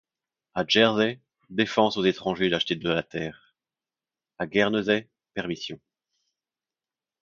À Jersey, défense aux étrangers d’acheter de la terre ; à Guernesey, permission.